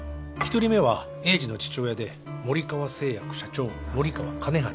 １人目は栄治の父親で森川製薬社長森川金治